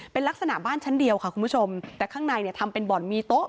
เป็นลักษณะบ้านชั้นเดียวค่ะคุณผู้ชมแต่ข้างในเนี่ยทำเป็นบ่อนมีโต๊ะ